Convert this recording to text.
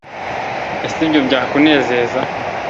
ese ibyo byakunezeza